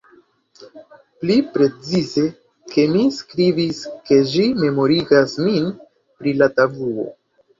Pli precize, mi skribis ke ĝi "memorigas min" pri la tabuo.